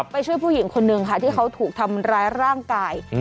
ไปช่วยผู้หญิงคนนึงค่ะที่เขาถูกทำร้ายร่างกาย